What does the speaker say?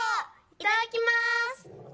いただきます」。